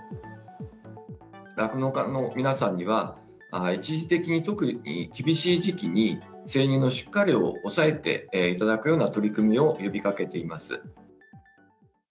酪農家の皆さんには、一時的に特に厳しい時期に、生乳の出荷量を抑えていただくような取り組みを呼びかけています。